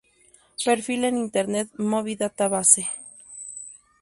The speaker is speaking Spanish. Perfil en Internet Movie Data Base